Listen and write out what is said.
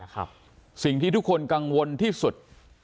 สิ่งที่ทุกคนกังวลที่สุด